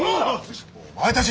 お前たち！